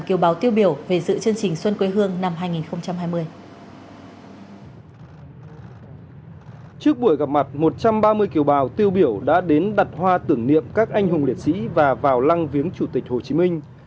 một trăm ba mươi kiều bào tiêu biểu đã đến đặt hoa tưởng niệm các anh hùng liệt sĩ và vào lăng viếng chủ tịch hồ chí minh